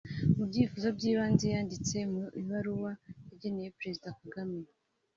Mu byifuzo by’ibanze yanditse mu ibaruwa yageneye Perezida Kagame